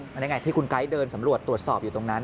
มันยังไงที่คุณไก๊เดินสำรวจตรวจสอบอยู่ตรงนั้น